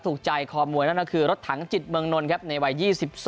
ถูกใจคอมวยนั่นก็คือรถถังจิตเมืองนนท์ครับในวัย๒๒